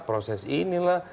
proses ini lah